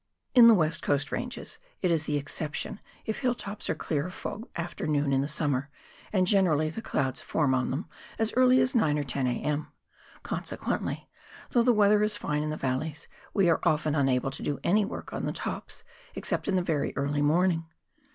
67 In the West Coast Ranges it is tlie exception if hill tops are clear of fog after noon in the summer, and generally the clouds form on them as early as 9 or 10 a.m. ; consequently, though the weather is fine in the valleys, we are often unable to do any work on the tops except in the very early morning.